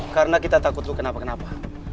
karena kita takut lo kenapa kenapa